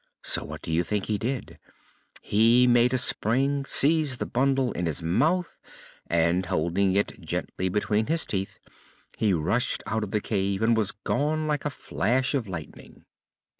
So what do you think he did? He made a spring, seized the bundle in his mouth, and, holding it gently between his teeth, he rushed out of the cave and was gone like a flash of lightning.